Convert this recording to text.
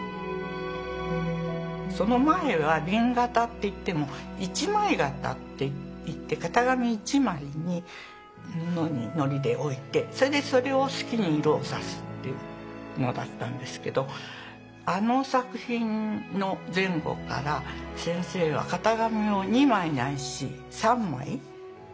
その前は紅型っていっても一枚型っていって型紙１枚にのりで置いてそれでそれを好きに色を差すっていうのだったんですけどあの作品の前後から先生は型紙を２枚ないし３枚使う。